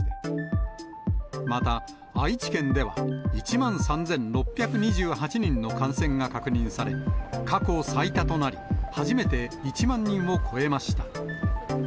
また、愛知県では１万３６２８人の感染が確認され、過去最多となり、初めて１万人を超えました。